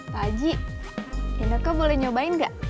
paji enaknya boleh nyobain gak